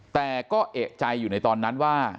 แต่ก็เอกใจอยู่ในตอนนั้นว่า